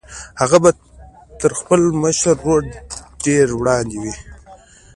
هغه به تر خپل مشر ورور ډېر وړاندې وي